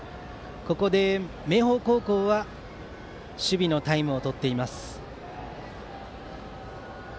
ここで明豊高校は守備のタイムをとっています。